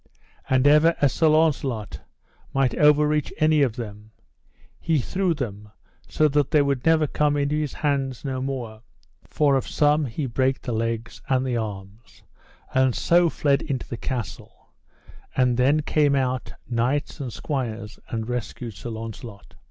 And ever as Sir Launcelot might overreach any of them, he threw them so that they would never come in his hands no more; for of some he brake the legs and the arms, and so fled into the castle; and then came out knights and squires and rescued Sir Launcelot.